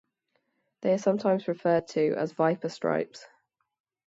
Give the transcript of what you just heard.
They are sometimes referred to as "Viper Stripes".